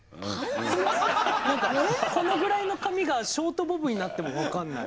何かこのぐらいの髪がショートボブになっても分かんない。